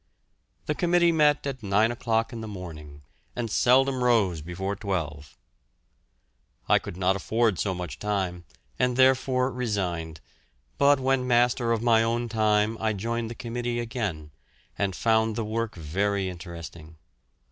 The committee met at nine o'clock in the morning, and seldom rose before twelve. I could not afford so much time, and therefore resigned, but when master of my own time I joined the committee again, and found the work very interesting.